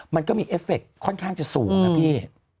มันก็มีเอฟเฟคค่อนข้างจะสูงนะพี่